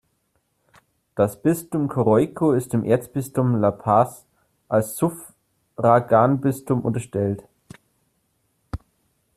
Das Bistum Coroico ist dem Erzbistum La Paz als Suffraganbistum unterstellt.